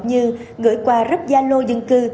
như gửi qua rớp gia lô dân cư